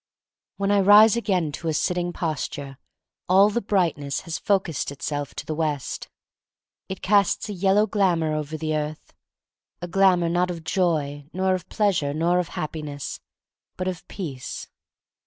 When I rise again to a sitting posture all the brightness has focused itself to 32 THE STORY OF MARY MAC LANE the west. It casts a yellow glamor over the earth, a glamor not of joy, nor of pleasure, nor of happiness — but of peace.